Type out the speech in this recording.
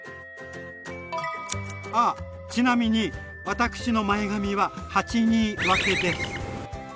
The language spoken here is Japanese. あちなみに私の前髪は八二分けです！